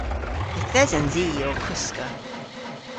Yth esens i ow koska.